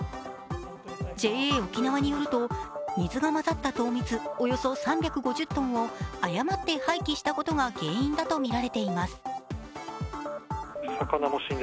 ＪＡおきなわによると水が混ざった糖蜜およそ３５０トンを誤って廃棄したことが原因だとみられています。